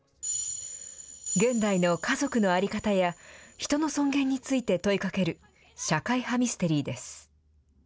現代の家族の在り方や人の尊厳について問いかける社会派ミステリーです。